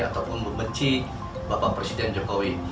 ataupun membenci bapak presiden jokowi